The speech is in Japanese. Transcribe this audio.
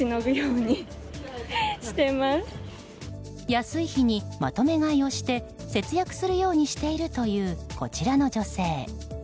安い日にまとめ買いをして節約するようにしているというこちらの女性。